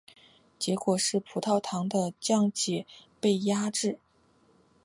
结果是葡萄糖的降解被抑制。